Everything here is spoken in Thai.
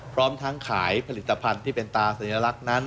พร้อมทั้งขายผลิตภัณฑ์ที่เป็นตาสัญลักษณ์นั้น